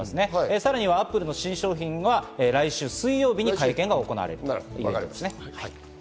さらにはＡｐｐｌｅの新商品は来週水曜日に会見が行われるということです。